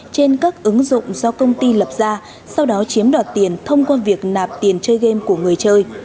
trên các ứng dụng do công ty lập ra sau đó chiếm đoạt tiền thông qua việc nạp tiền chơi game của người chơi